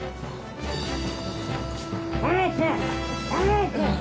早く！早く！